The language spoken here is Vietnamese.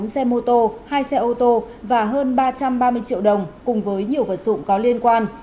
bốn xe mô tô hai xe ô tô và hơn ba trăm ba mươi triệu đồng cùng với nhiều vật dụng có liên quan